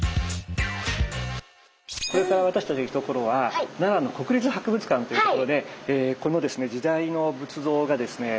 これから私たちが行く所は奈良の国立博物館っていう所でこのですね時代の仏像がですね